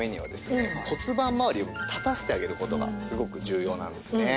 骨盤まわりを立たせてあげる事がすごく重要なんですね。